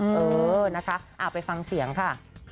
เออนะคะไปฟังเสียงค่ะ